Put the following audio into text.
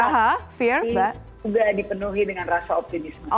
rasa pasti juga dipenuhi dengan rasa optimisme